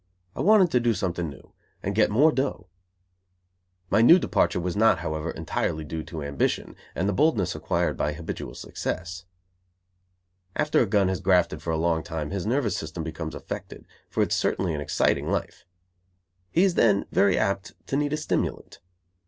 I wanted to do something new, and get more dough. My new departure was not, however, entirely due to ambition and the boldness acquired by habitual success. After a gun has grafted for a long time his nervous system becomes affected, for it is certainly an exciting life. He is then very apt to need a stimulant.